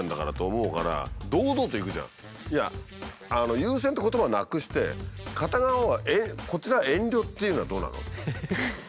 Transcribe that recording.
あれ「優先」って言葉をなくして片側はこちらは「遠慮」っていうのはどうなの？